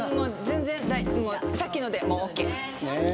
全然さっきのでＯＫ。